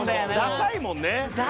ダサいもん。